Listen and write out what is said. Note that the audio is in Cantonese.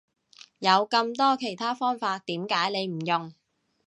有咁多其他方法點解你唔用？